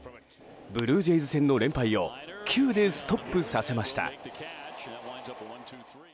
ブルージェイズ戦の連敗を９でストップさせました。